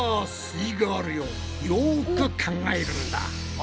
イガールよよく考えるんだ！